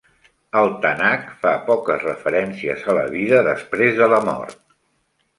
El Tanakh fa poques referències a la vida després de la mort.